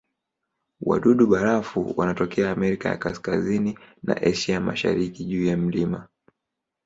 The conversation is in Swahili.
Wadudu-barafu wanatokea Amerika ya Kaskazini na Asia ya Mashariki juu ya milima.